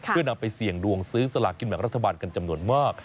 เพื่อนำไปเสี่ยงดวงซื้อสลากินแบ่งรัฐบาลกันจำนวนมาก